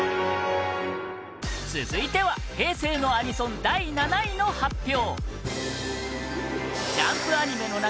続いては平成のアニソン、第７位の発表